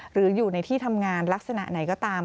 หรืออยู่ในที่ทำงานลักษณะไหนก็ตาม